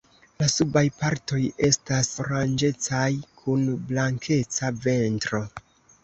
La subaj partoj estas oranĝecaj kun blankeca ventro.